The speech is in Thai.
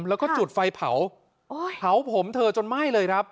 แล้วก็จุดไฟเผาเผาผมเธอจนไหม้เลยครับ